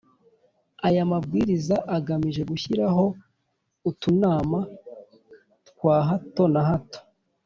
Aya mabwiriza agamije gushyiraho utunama twa hato na hato